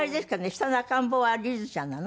下の赤ん坊はリズちゃんなの？